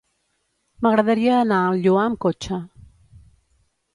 M'agradaria anar al Lloar amb cotxe.